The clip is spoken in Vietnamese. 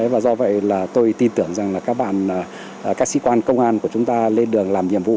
và do vậy là tôi tin tưởng rằng là các bạn các sĩ quan công an của chúng ta lên đường làm nhiệm vụ